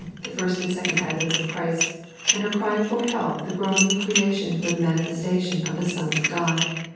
the fii st and second advents of Christ, — ^and her crying for help the groaning of creation for the manifestation of the sons of God.